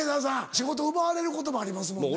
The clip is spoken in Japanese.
仕事奪われることもありますもんね。